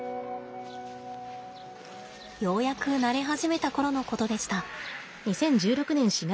ようやく慣れ始めた頃のことでした。